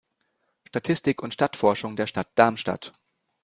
Statistik und Stadtforschung der Stadt Darmstadt